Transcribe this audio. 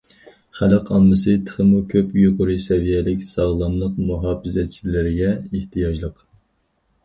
خەلق ئاممىسى تېخىمۇ كۆپ يۇقىرى سەۋىيەلىك ساغلاملىق مۇھاپىزەتچىلىرىگە ئېھتىياجلىق.